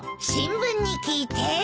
新聞に聞いて。